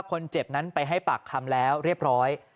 คนเจ็บนั้นไปให้ปากคำแล้วเรียบร้อย